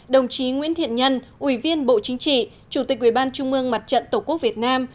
đồng chí nguyễn thiện nhân ủy viên bộ chính trị chủ tịch ủy ban trung mương mặt trận tổ quốc việt nam